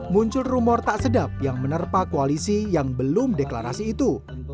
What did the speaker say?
muncul rumor tak sedap yang menerpa koalisi yang belum deklarasi itu